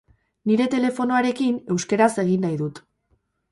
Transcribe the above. Nire telefonoarekin euskaraz egin nahi dut.